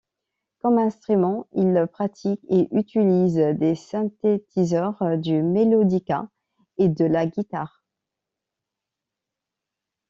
Comme instruments, il pratique et utilise des synthétiseurs, du mélodica et de la guitare.